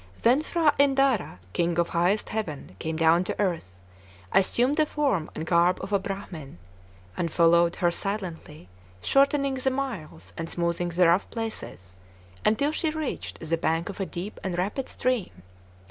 Then P'hra Indara, king of highest heaven, came down to earth, assumed the form and garb of a Bhramin, and followed her silently, shortening the miles and smoothing the rough places, until she reached the bank of a deep and rapid stream.